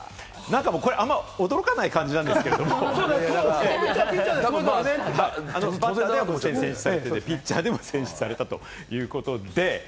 あんまり驚かない感じなんですけれど、バッターではもう選出されていてピッチャーでも選出されたということです。